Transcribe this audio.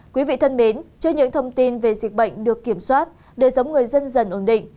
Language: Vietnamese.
quý vị thân mến cho những thông tin về dịch bệnh được kiểm soát để giống người dân dần ổn định